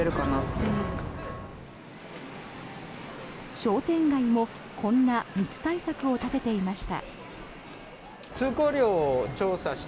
商店街もこんな密対策を立てていました。